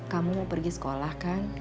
kamu mau pergi sekolah kan